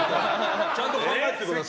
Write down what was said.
ちゃんと考えてくださいよ。